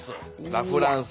ラフランス。